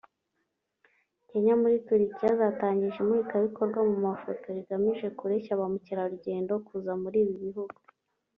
Kenya muri Turukiya zatangije imurikabikorwa mu mafoto rigamije kureshya ba mukerarugendo kuza muri ibi bihugu